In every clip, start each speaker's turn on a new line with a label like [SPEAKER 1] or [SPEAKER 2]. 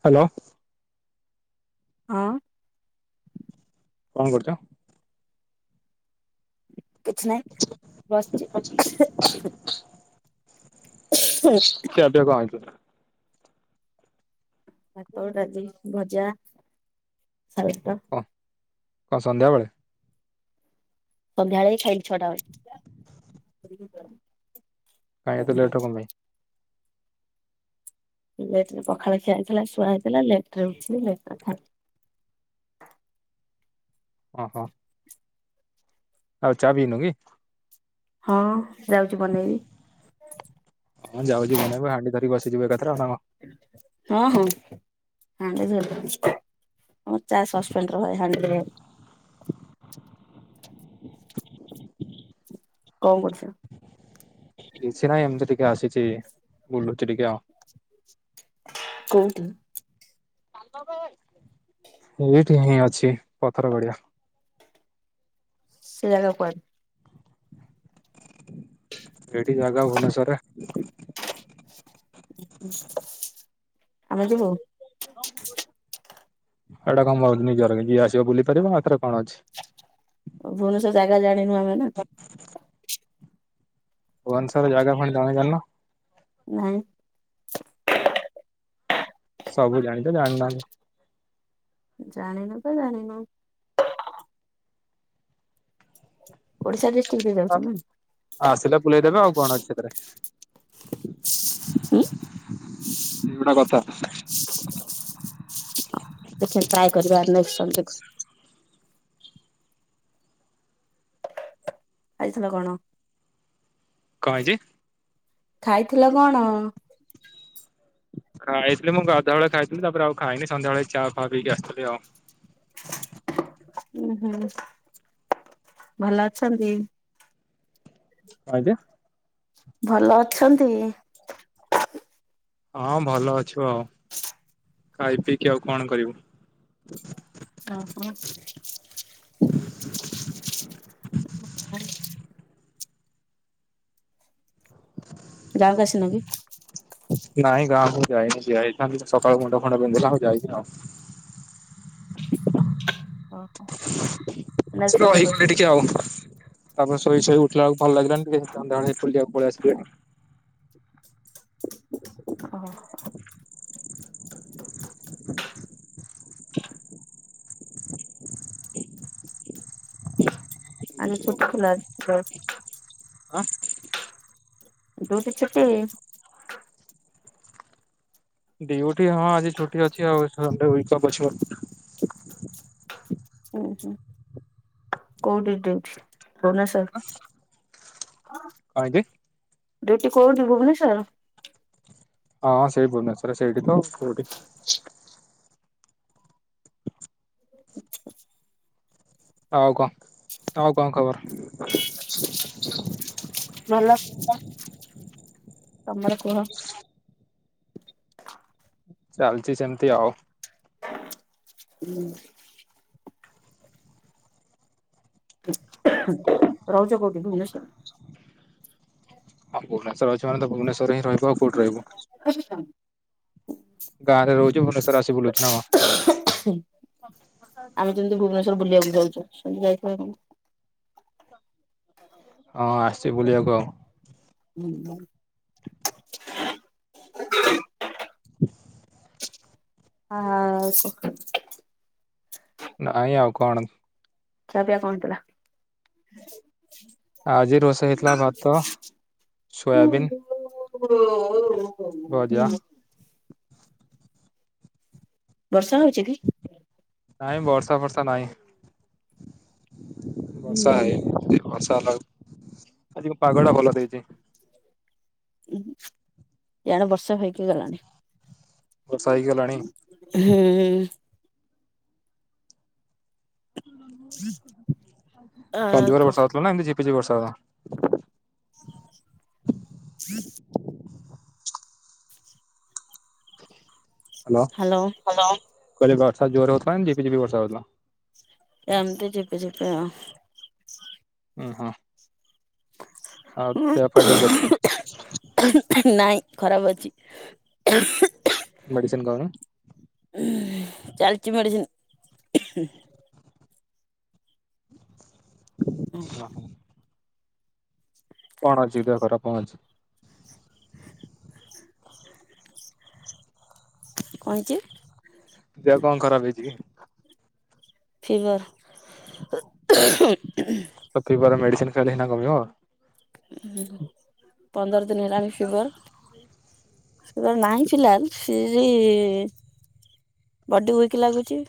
[SPEAKER 1] Hello.
[SPEAKER 2] ହଁ।
[SPEAKER 1] କଣ କରୁଛ?
[SPEAKER 2] କିଛି ନହିଁ ବସିଛି। [inaudible]
[SPEAKER 1] [unintelligible]
[SPEAKER 2] ଭାତଡାଲି ଭଜା ସାଲୁଟ।
[SPEAKER 1] କ କଣ ସନ୍ଧ୍ୟାବେଳେ?
[SPEAKER 2] ସନ୍ଧ୍ୟା ବେଳେ ହି ଖାଇଲିି ଛଟା ବଳେ।
[SPEAKER 1] [unintelligible] ଏତେ ଲେଟ୍ କଣ ପାଇଁ?
[SPEAKER 2] ଲେଟ ରେ ପଖାଳଖିଆ ହେଇଥିଲା ଛୁଆ ହେଇଥିଲା ଲେଟ ରେ ଉଠଛିି ଲେ ନ
[SPEAKER 1] ଓହୋ। ଆଉ ଚ ଚା ବିିିନୁ କି?
[SPEAKER 2] ହଁ। ଯାଉଛି ବନେଇବି
[SPEAKER 1] ହଁ ଯାଉଛି ବନେଇବେ ହାଣ୍ଡି ଧରିକି ବସିଯିବେ ଏକଥାରେ ଆଣ କଣ।
[SPEAKER 2] ହଁ ହଁ [unintelligible] ଧର। ଆମର ଚା ସସ୍ପେଣ୍ଡ ରହେ ହାଣ୍ଡିରେ କଣ କରୁଛ?
[SPEAKER 1] କିଛି ନାହିଁ ଏମିତି ଟିକେ ଆସିଛି ବୁଲୁଛି ଟିକେ ଆଉ।
[SPEAKER 2] କଉଠି?
[SPEAKER 1] ଏଇଠି ହିଁ ଅଛି ପଥର ଗଡିଆ।
[SPEAKER 2] ସେ ଜାଗା କୁଆଡେ?
[SPEAKER 1] ଏଠି ଜାଗା ଭୁବନେଶ୍ଵରରେ।
[SPEAKER 2] ଉ ହୁଁ।
[SPEAKER 1] ପାଞ୍ଚ ଲୁ। ଏଟା କଣ ମୋ ନିଜର କି ଯିଏ ଆସିବ ବୁଲି ପାରିବ ହେଥରେ କଣ ଅଛି।
[SPEAKER 2] ଭୁବନେଶ୍ଵର ଜାଗା ଜାଣିନୁ ଆମେ ନା।
[SPEAKER 1] ଭୁନେଶ୍ଵରୋର ଜାଗାପୁଣି ତମେ ଜାଣିନ।
[SPEAKER 2] ନାଇଁ।
[SPEAKER 1] ସବୁ ଜାଣିଛ ଜାଣୁ ନାହାନ୍ତି।
[SPEAKER 2] ଜାଣିନୁ ତ ଜାଣିନୁ। ଓଡିଶା ଡିଷ୍ଟିକ ରେ ଯାଉଛି ନାଇ।
[SPEAKER 1] ଆସିଲେ ବୁଲେଇ ଦେବେ ଆଉ କଣ ଅଛି ସେଥିରେ।
[SPEAKER 2] ଉଁ।
[SPEAKER 1] ଏଇଗୁଟା କଥା।
[SPEAKER 2] ଦେଖିବି ଟ୍ରାଏ କରିବା ନେକ୍ସଟ ଟାଇମ ଦେଖୁ। ଖାଇଥିଲ କଣ।
[SPEAKER 1] କଣ ହେଇଛି।
[SPEAKER 2] ଖାଇଥିଲ କଣ।
[SPEAKER 1] ଖାଇଥିଲି ମୁଁ ଗାଧୁଆ ବେଳେ ଖାଇଥିଲି ତାପରେ ଆଉ ଖାଇନି ସନ୍ଧ୍ୟାବେଳେ ଏଇ ଚା ଫା ପଇକି ଆସିଥିଲି ଆଉ।
[SPEAKER 2] ଉଁ ହୁଁ ଭଲ ଅଛନ୍ତି।
[SPEAKER 1] ଆଜ୍ଞା।
[SPEAKER 2] ଭଲ ଅଛନ୍ତି।
[SPEAKER 1] ହଁ ଭଲ ଅଛୁ ଆଉ ଖାଇ ପିଇକି ଆଉ କଣ କରିବୁ।
[SPEAKER 2] ଆଉ କଁ। [inaudible] ଗାଁକୁ ଆସିନକି।
[SPEAKER 1] ନାଇଁ ଗାଁକୁ ଯାଇନି ଯାଇଥାନ୍ତି ସକାଳୁ ମୁଣ୍ଡ ଫୁଣ୍ଡ ବିନ୍ଧିଲା ଆଉ ଯାଇନି ଆଉ।
[SPEAKER 2] ଓ ହୋ।
[SPEAKER 1] ମୋ ରହିଗଲେ ଟିକେ ଆଉ। ତାପରେ ଶୋଇ ସୋଇ ଉଠିଲା ବେଳକୁ ଭଲ ଲାଗିଲାନି ଟିକେ ସନ୍ଧ୍ୟା ବେଳେ ବୁଲିବାକୁ ପଳେଇ ଆସିଲି ଆଉ।
[SPEAKER 2] ଓହୋ ଆଜି
[SPEAKER 1] ବୁଲିକି ଆଉ।
[SPEAKER 2] ଛୁଟି ଥିଲା ଯବ।
[SPEAKER 1] ଆଁ
[SPEAKER 2] ଡୁଉଟି ଛୁଟି।
[SPEAKER 1] ଡିଉଟି ହଁ ଆଜି ଛୁଟି ଅଛି ଆଉ ସନ ଡେ ଏକଜାମ୍ ଅଛି ଆଉ।
[SPEAKER 2] ଉଁ ହୁଁ। କୋଉଠି ଡ୍ୟୁଟି ଭୁବନେଶ୍ବର।
[SPEAKER 1] କଣ ହେଇଛି।
[SPEAKER 2] ଡୁ୳ଟି କୋଉଠି ଭୁବନେଶ୍ଵର।
[SPEAKER 1] ହଁ ସେଇ ଭୁବନେଶ୍ୱର ରେ ସେଇଠି ତ କୋଉଠି। ଆଉ କଁ ଆଉ କଣ ଖବର।
[SPEAKER 2] ଭଲ ତମର କୁହ।
[SPEAKER 1] ଚାଲିଛି ସେମିତି ଆଉ।
[SPEAKER 2] ହୁଁ। ରହୁଛ କହୁଠି ଭୁବନେଶ୍ଵର।
[SPEAKER 1] ହଁ ଭୁବନେଶ୍ବର ରେ ଅଛୁ ମାନେ ଭୁବନେଶ୍ୱର ରେ ହିଁ ରହିବୁ ଆଉ କୋଉଠି ରହିବୁ।
[SPEAKER 2] [unintelligible]
[SPEAKER 1] ଗାଁରେ ରହୁଛୁ ଭୁବନେଶ୍ଵର ଆସି ବୁଲୁଚି ନା କଁ।
[SPEAKER 2] ଆମେ ଯେମିତି ଭୁବନେଶ୍ଵର ବୁଲିବାକୁ ଯୋଉ ଯାଉଛେ ସେମତି ଯାଇ ଥିବେ କି କଣ।
[SPEAKER 1] ହ ହ ହଁ ଆସିଚି ବୁଲିବାକୁ ଆଉ।
[SPEAKER 2] [unintelligible]
[SPEAKER 1] [inaudible]
[SPEAKER 2] ଆଁ [unintelligible]
[SPEAKER 1] ନାଇଁ ଆଉ କଣ।
[SPEAKER 2] ଖିଆ ପିଆ କଁ ହେଇଥିଲା।
[SPEAKER 1] ଆଜି ରୋଷେଇ ହେଇଥିଲା ଭାତ ସୋୟାବିନ ଭଜା
[SPEAKER 2] [unintelligible] ବର୍ଷା ହୋଉଚି କି?
[SPEAKER 1] ନାଇଁ ବର୍ଷା ଫର୍ଷା ନାଇଁ। ବର୍ଷା
[SPEAKER 2] ହୁଁ
[SPEAKER 1] ହେଇନି। ବର୍ଷା [unintelligible] ଆଜିକୁ ପାଗଟା ଭଲ ଦେଇଚି।
[SPEAKER 2] [unintelligible] ୟାଡେ ବର୍ଷା ହେଇକି ଗଲାଣି।
[SPEAKER 1] ବର୍ଷା ହେଇକି ଗଲାଣି।
[SPEAKER 2] ହୁଁ। ଆ
[SPEAKER 1] କଣ
[SPEAKER 2] କ
[SPEAKER 1] ଜୋରେ ଵର୍ଷା ହୋଉଥୁଲା ନା ଏମିତି ଝିପି ଝିପି ବର୍ଷା [unintelligible]
[SPEAKER 2] [inaudible]
[SPEAKER 1] ହାଲୋ।
[SPEAKER 2] ହାଲୋ।
[SPEAKER 1] ହାଲୋ।
[SPEAKER 2] ଏମିତି ଝିପିଝିପି ଆଉ।
[SPEAKER 1] ଉଁହଁ। ପା ଠିକ ଅଛି
[SPEAKER 2] [unintelligible] ନାଇଁ ଖରାପ ଅଛି।
[SPEAKER 1] ମେଡ଼ିସିନ୍ ଖାଉନ।
[SPEAKER 2] [unintelligible] ଚାଲିଚି ମେଡ଼ିସିନ୍।
[SPEAKER 1] ହଁ
[SPEAKER 2] [unintelligible]
[SPEAKER 1] କଣ ଅଛି ଦେହ ଖରାପ କଁ ଅଛି।
[SPEAKER 2] କଁ ହେଇଚି।
[SPEAKER 1] ଦେହ କଁ ଖରାପ ହେଇଚି କି?
[SPEAKER 2] ଫିବର୍।
[SPEAKER 1] ଆଉ ଫିବର୍ ମେଡ଼ିସିନ୍ ଖାଇଲେ ସିନା କମିବ।
[SPEAKER 2] ହୁଁ ପନ୍ଦର ଦିନି ହେଲାଣି ଫିବର। [unintelligible] ଫିର୍ବି ବଡି ୱିକ୍ ଲାଗୁଚି।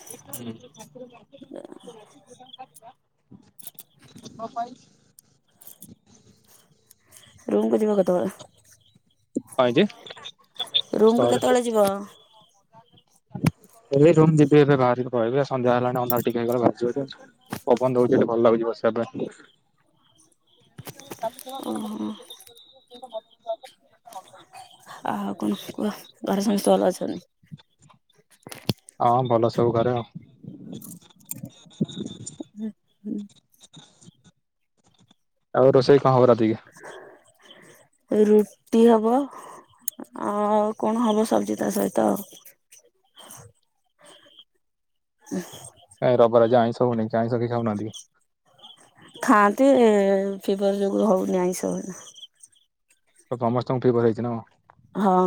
[SPEAKER 1] [unintelligible] [unintelligible]
[SPEAKER 2] ରୁମ୍ କୁ ଯିବ
[SPEAKER 1] କଣ ହେଇଛି?
[SPEAKER 2] କେତୋବୋଳେ ରୁମ୍ କୁ କେତୋବୋଳେ ଯିବ।
[SPEAKER 1] ଏବେ ରୁମ୍ ଯିବି ଏବେ ବାହାରିବି ପଳେଇବି ଆ ସନ୍ଧ୍ୟା ହେଲାଣି ଅନ୍ଧାର ଟିକେ ହେଇଗଲେ ବାହାର [unintelligible] ପବନ ଦୋଉଚି ଏଠି ଭଲ ଲାଗୁଚି ବସିବା ପାଇଁ
[SPEAKER 2] ଓହୋ
[SPEAKER 1] [unintelligible]
[SPEAKER 2] ଆଉ କଣ କୁହ ଘରେ ସମସ୍ତେ ଭଲ ଅଛନ୍ତି।
[SPEAKER 1] ହଁ ଭଲ ସବୁ ଘରେ ଆଉ।
[SPEAKER 2] ହୁଁ ହୁଁ।
[SPEAKER 1] ଆଉ ରୋଷେଇ କଁ ହବ ରାତିକି।
[SPEAKER 2] ରୁଟି ହବ ଆଉ କଣ ହବ ସବଜି ତା ସହିତ ଆଉ। [inaudible]
[SPEAKER 1] କାଇଁ ରବବାର ଆଜି ଆଇଁଷ ହୋଉନିକି ଆଇଁଷ କେଇ ଖାଉନାହାନ୍ତି କି?
[SPEAKER 2] ଖାଆନ୍ତି ଏ ଫିବର୍ ଯୋଗୁ ହୋଉନି ଆଇଁଷ ଏଇନା।
[SPEAKER 1] ତ ତମସ୍ତଙ୍କୁ ଫିବର୍ ହେଇଚି ନା କଣ।
[SPEAKER 2] ହଁ।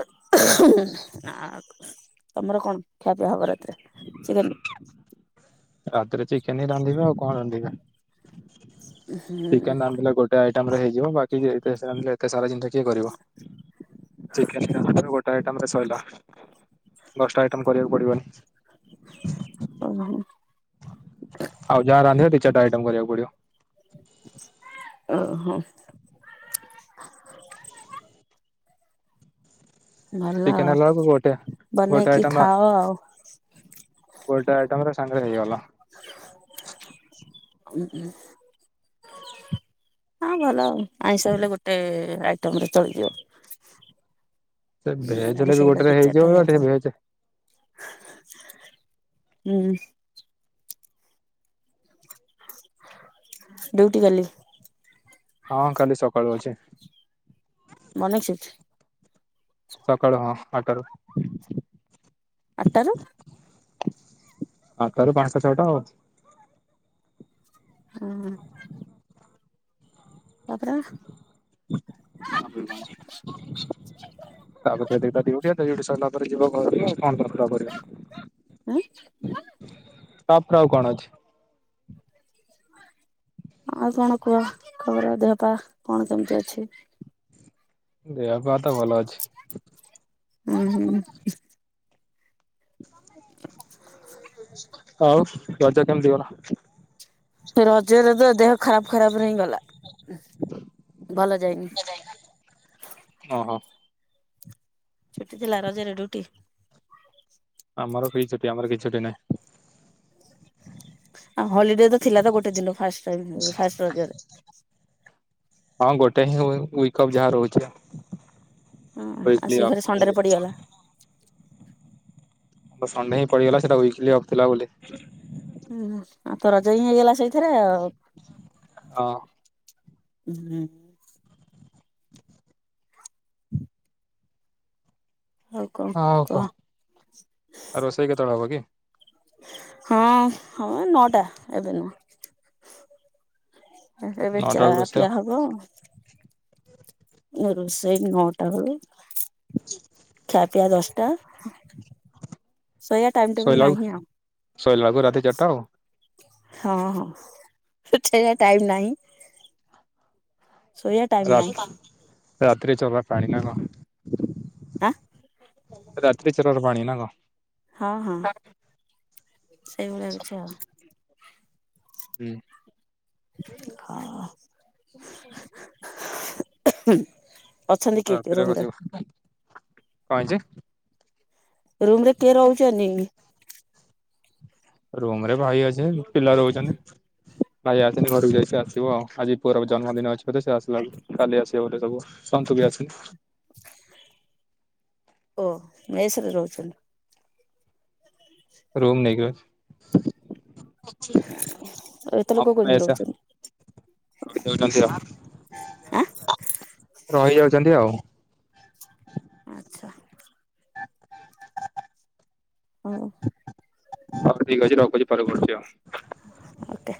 [SPEAKER 2] ଆଉ କ ତମର କଣ ଖିଆପିଆ ହବ ରାତିରେ ଚିକେନ୍।
[SPEAKER 1] ରାତିରେ ଚିକେନ ହିଁ ରାନ୍ଧିବା ଆଉ କ ରାନ୍ଧିବା
[SPEAKER 2] ହୁଁ
[SPEAKER 1] ଚିକେନ ରାନ୍ଧିଲେ ଗୋ ତା ଏଇଟା ପରେ ହେଇଯିବ ବାକି ଯେତେ ସାନ ଏତେ ସାରା ଜିନିଷ କିଏ କରିବ ଚିକେ [unintelligible] ଟା ଆଇଟ ରେ ସଇଲା ଦଶଟା ଆଇଟମ କରିବାକୁ ପଡିବନି।
[SPEAKER 2] ହୁଁ।
[SPEAKER 1] ଆଜ୍ଞା ରାନ୍ଧି ଦୁି ଚାରଟା ଆଇଟମ୍ କରିବାକୁ ପଡିବ।
[SPEAKER 2] ଓ ହୋ।
[SPEAKER 1] [inaudible]
[SPEAKER 2] ଭଲ
[SPEAKER 1] ଚିକେନ ହେଲାକୁ ଗୋଟେ ଗୋଟେ
[SPEAKER 2] ବନେଇକି
[SPEAKER 1] ଆଇଟମ୍ ବାସ୍
[SPEAKER 2] ଖାଅ ଆଉ।
[SPEAKER 1] ଗୋଟେ ଆଇଟମରେ ସାଙ୍ଗ ହେଇଗଲା।
[SPEAKER 2] ଉଁ ଉଁ ହଁ ଭଲ ଆଉ ଆଇଁଷ ହେଲେ ଗୋଟେ ଆଇଟମ ରେ ଚଳିଯିବ।
[SPEAKER 1] ସେ ଭେଜହେଲେ
[SPEAKER 2] ଆମିଷ
[SPEAKER 1] ବି
[SPEAKER 2] ହେଲେ
[SPEAKER 1] ଗୋଟେରେ
[SPEAKER 2] ଦି ଚାରିଟା
[SPEAKER 1] ହେଇଯିବ ଗୋଟେ
[SPEAKER 2] ଦରକାର
[SPEAKER 1] ଭେଜ
[SPEAKER 2] ହୁଁ। ବୁଟ କଲି
[SPEAKER 1] ହଁଁ କାଲି ସକାଳୁ ଅଛେ
[SPEAKER 2] [unintelligible]
[SPEAKER 1] ସକାଳୁ ହଁ ଆଟାରୁ।
[SPEAKER 2] ଆଠଟାରୁ
[SPEAKER 1] ଆଟାରୁ ପାଞ୍ଚଟା ଛଅଟା ଆଉ।
[SPEAKER 2] ହଁ। ତାପରେ?
[SPEAKER 1] ତାପରେ କଣ? ତାକୁ କେତେଟା [unintelligible] ଦିଉଠି ସରିଲା ପରେ ଯିବ ଘରୁ କନ୍ତା [unintelligible]
[SPEAKER 2] ହଁ
[SPEAKER 1] ଅପ ର ଆଉ କଣ ଅଛି।
[SPEAKER 2] ଆଉ କଣ କୁହ ଖବର ଦେହ ପା କଣ କେମିତି ଅଛି?
[SPEAKER 1] ଦେହ ପା ତ ଭଲଅଛି।
[SPEAKER 2] ଉହୁଁ।
[SPEAKER 1] ଆଉ ରଜ କେମିତି ଗଲା?
[SPEAKER 2] ରଜରେ ତ ଦେହ ଖରାପ ଖରାପରେ ହିଁ ଗଲା ଭଲ ଯାଇନି।
[SPEAKER 1] ଓ ହୋ।
[SPEAKER 2] ଛୁଟି ଥିଲା ରଜରେ ଡ୍ୟୁଟି?
[SPEAKER 1] ଆମର କି ଛୁଟି ଆମର କି ଛୁଟି ନହିଁ।
[SPEAKER 2] ଆଉ ହଲିଡେ ତ ଥିଲା ତ ଗୋଟେ ଦିନ ଫାସ ଫାଷ୍ଟ ରଜରେ।
[SPEAKER 1] ହଁ ଗୋଟେ ହିଁ ୱିକ ଅଫ ଯାହା ରହୁଛି
[SPEAKER 2] ହଁ ଆଉ ସେ
[SPEAKER 1] ୱିକ୍ଲି
[SPEAKER 2] ଫେରେ ସଣ୍ଡେରେ ପଡିଗଲା
[SPEAKER 1] ଅଫ ଆମ ସଣ୍ଡେହିଁ ପଡିଗଲା ସେଟା ୱିକଲି ଅଫ ଥିଲା ବୋଲି।
[SPEAKER 2] ହୁଁ ଆଉ ତ ରଜ ହିଁ ହେଇଗଲା ସେଇଥିରେ ଆଉ।
[SPEAKER 1] ହଁ।
[SPEAKER 2] ହୁଁ। ଆଉ କଣ
[SPEAKER 1] ହଁ
[SPEAKER 2] କହ?
[SPEAKER 1] କୁହ ଆ ରୋଷେଇ କେତେ ବେଳେ ହବ କି?
[SPEAKER 2] ହଁ ହୋଊ ନଅଟା ଏବେ ନୁହ। ଏବେ
[SPEAKER 1] ନଅଟା
[SPEAKER 2] ଚା
[SPEAKER 1] ବେଳକୁ ରୋଷେଇ
[SPEAKER 2] ପିଆ ହବ ରୋଷେଇ ନଟା ବେଳେ ଖ୍ୟାପିଆ ଦଶଟା ସେଇୟା ଟାଇମ ଟେବୁଲ
[SPEAKER 1] ଶୋଇଲା ବେଳକୁ
[SPEAKER 2] ନାହିଁ ଆଉ।
[SPEAKER 1] ଶୋଇଲା ବେଳକୁ ରାତି ଚାରିଟା ଆଉ
[SPEAKER 2] ହଁ ହଁ ସେ ଛେଇୟା ଟାଇମ ନାହିଁ ଶୋଇବା ଟାଇମ
[SPEAKER 1] ରା
[SPEAKER 2] ନାହିଁ।
[SPEAKER 1] ରାତିରେ ଚୋବା ପାଣି ନା କଣ?
[SPEAKER 2] ଆ?
[SPEAKER 1] ରାତିରେ ଚିରର ପାଣିନା କ?
[SPEAKER 2] ହଁ ହଁ ସେଇଭଳିୟା କିଛି ଆଉ।
[SPEAKER 1] ହୁଁ।
[SPEAKER 2] ହ
[SPEAKER 1] ରାତିରେ ବସିବ କଣ ହେଇଛି?
[SPEAKER 2] ରୁମରେ କିଏ ରହୁଚନି?
[SPEAKER 1] ରୁମରେ ଭାଇ ଅଚେ ପିଲା ରହୁଛନ୍ତି। ଭାଇ ଆସେନି ଘରକୁ ଯାଇ ସେ ଆସିବ ଆଜି ପୁଅର ଜନ୍ମଦିନ ଅଛି ବୋଧେ ସେ ଆସିଲାବେଳକୁ କାଲି ଆସିବେ ବୋଧେ ସବୁ ଶନ୍ତୁ ବି ଆସି
[SPEAKER 2] ଓ ମେସରେ ରହୁଛନ୍ତି।
[SPEAKER 1] ରୁମ ନେଇକି
[SPEAKER 2] ଏତେ ଲୋକ କୋଉଦିନ
[SPEAKER 1] ଅଛି।
[SPEAKER 2] ରହୁଛନ୍ତି
[SPEAKER 1] ରହିଯାଉଛନ୍ତି ଆ
[SPEAKER 2] ଆଁ
[SPEAKER 1] ରହିଯାଉଛନ୍ତି ଆଉ
[SPEAKER 2] ଆଚ୍ଛା। ହଁ।
[SPEAKER 1] ହଉ ଠିକ୍ ଅଛି [inaudible] ପରେ କରୁଛି ଆଉ
[SPEAKER 2] ଆତେ।